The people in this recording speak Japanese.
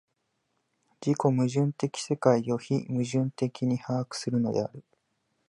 自己矛盾的世界を非矛盾的に把握するのである。